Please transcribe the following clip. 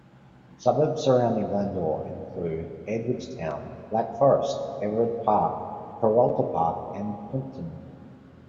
Suburbs surrounding Glandore include Edwardstown, Black Forest, Everard Park, Kurralta Park and Plympton.